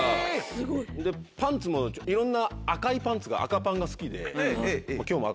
パンツもいろんな赤いパンツが赤パンが好きで。